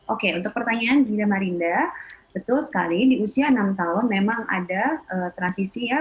oke untuk pertanyaan ginda marinda betul sekali di usia enam tahun memang ada transisi ya